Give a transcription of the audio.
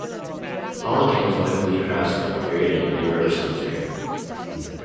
Pollock and his wife Lee Krasner are buried in Green River Cemetery.